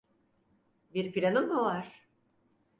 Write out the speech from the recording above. Bir planın mı var?